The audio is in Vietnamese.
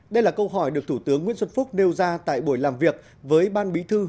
đây là câu hỏi được thủ tướng nguyễn xuân phúc nêu ra tại buổi làm việc với ban bí thư